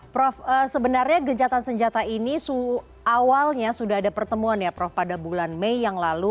prof sebenarnya gencatan senjata ini awalnya sudah ada pertemuan ya prof pada bulan mei yang lalu